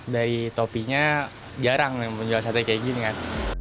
dari topinya jarang menjual sate kayak gini kan